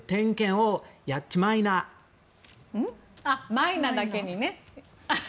マイナだけにね。